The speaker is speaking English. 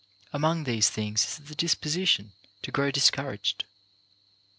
Among these things is the disposition to grow discour aged.